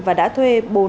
và đã thuê bốn người